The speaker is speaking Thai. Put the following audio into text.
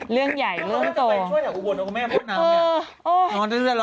เรื่องใหญ่เรื่องโต